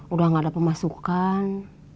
udah gak ada pemasukan